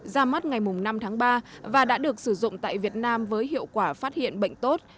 ra mắt ngày năm tháng ba và đã được sử dụng tại việt nam với hiệu quả phát hiện bệnh tốt